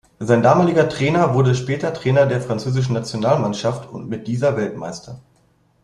Sein damaliger Trainer wurde später Trainer der französischen Nationalmannschaft und mit dieser Weltmeister.